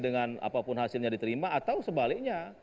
dengan apapun hasilnya diterima atau sebaliknya